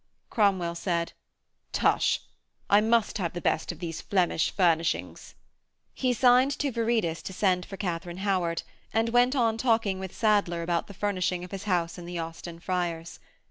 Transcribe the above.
Cromwell said: 'Tush; I must have the best of these Flemish furnishings.' He signed to Viridus to send for Katharine Howard, and went on talking with Sadler about the furnishing of his house in the Austin Friars.